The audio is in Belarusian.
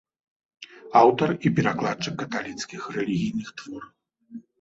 Аўтар і перакладчык каталіцкіх рэлігійных твораў.